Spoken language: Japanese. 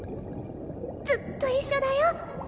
ずっと一緒だよ。